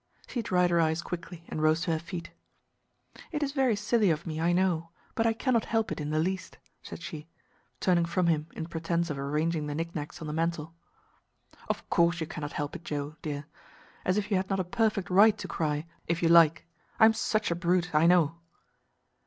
She dried her eyes quickly and rose to her feet. "It is very silly of me, I know, but I cannot help it in the least," said she, turning from him in pretense of arranging the knickknacks on the mantel. "Of course you cannot help it, Joe, dear; as if you had not a perfect right to cry, if you like! I am such a brute I know."